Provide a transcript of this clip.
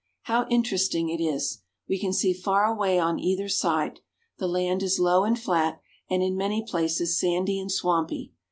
How interesting it is ! We can see far away on either side. The land is low and flat, and in many places sandy and swampy.